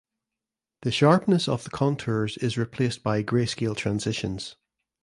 The sharpness of the contours is replaced by greyscale transitions.